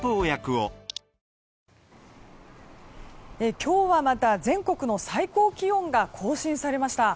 今日はまた全国の最高気温が更新されました。